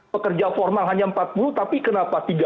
pekerja formal hanya empat puluh tapi kenapa tiga puluh